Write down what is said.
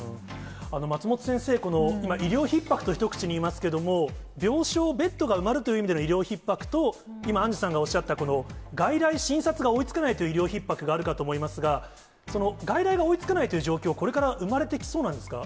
松本先生、医療ひっ迫と一口に言いますけど、病床、ベッドが埋まるという意味での医療ひっ迫と、今、アンジュさんがおっしゃった、この外来、診察が追いつかないという医療ひっ迫があるかと思いますが、外来が追いつかないという状況、これから生まれてきそうなんですか。